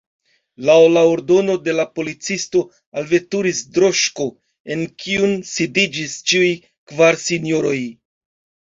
Laŭ la ordono de la policisto alveturis droŝko en kiun sidiĝis ĉiuj kvar sinjoroj.